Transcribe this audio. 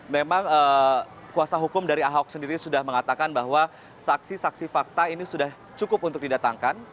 memang kuasa hukum dari ahok sendiri sudah mengatakan bahwa saksi saksi fakta ini sudah cukup untuk didatangkan